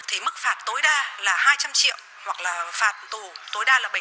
thì mức phạt tối đa là hai trăm linh triệu hoặc là phạt tù tối đa là bảy mươi